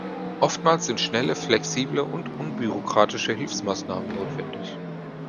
Oftmals sind schnelle, flexible und unbürokratische Hilfsmaßnahmen notwendig.